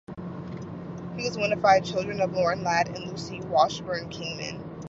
He was one of five children of Warren Ladd and Lucy Washburn Kingman.